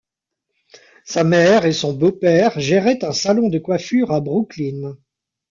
Sa mère et son beau-père géraient un salon de coiffure à Brooklyn.